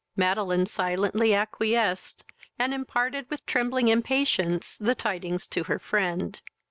Madeline silently acquiesced, and imparted, with trembling impatience, the tidings to her friend.